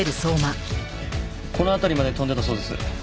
この辺りまで飛んでたそうです。